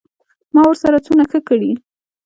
ما ورسره څونه ښه کړي.